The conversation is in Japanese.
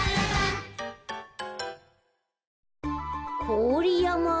こおりやま？